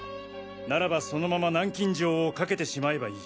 ならばそのまま南京錠を掛けてしまえばいい。